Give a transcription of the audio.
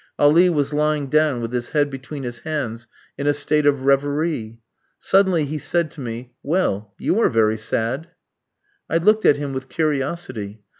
Ali was lying down with his head between his hands in a state of reverie. Suddenly he said to me: "Well, you are very sad!" I looked at him with curiosity.